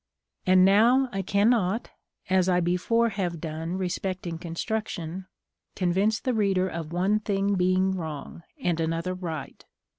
And now I cannot, as I before have done respecting construction, convince the reader of one thing being wrong, and another right.